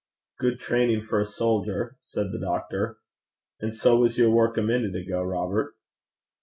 'Good training for a soldier,' said the doctor; 'and so was your work a minute ago, Robert.'